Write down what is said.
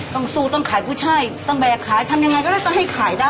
ต้องสู้ต้องขายกุ้ยช่ายต้องแบกขายทำยังไงก็ได้ต้องให้ขายได้